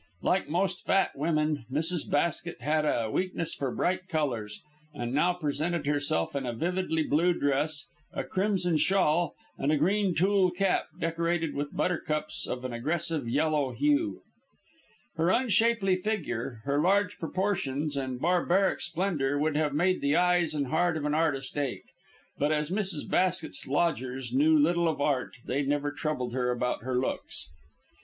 Like most fat women, Mrs. Basket had a weakness for bright colours; and now presented herself in a vividly blue dress, a crimson shawl, and a green tulle cap decorated with buttercups of an aggressive yellow hue. Her unshapely figure, her large proportions and barbaric splendour, would have made the eyes and heart of an artist ache; but as Mrs. Basket's lodgers knew little of art, they never troubled about her looks.